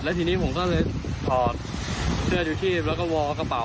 และทีนี้ผมก็เลยซื้ออยู่ทีแล้วก็วอลกระเป๋า